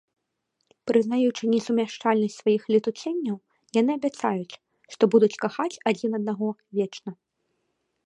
Прызнаючы несумяшчальнасць сваіх летуценняў, яны абяцаюць, што будуць кахаць адзін аднаго вечна.